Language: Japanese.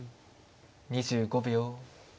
２５秒。